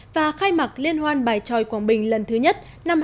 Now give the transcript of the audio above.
và khai mạc liên hoan bài tròi quảng bình lần thứ nhất năm hai nghìn một mươi chín